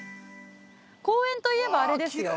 ◆公園といえば、あれですよ。